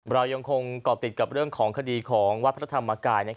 เรายังคงเกาะติดกับเรื่องของคดีของวัดพระธรรมกาย